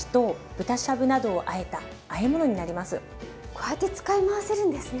こうやって使い回せるんですね。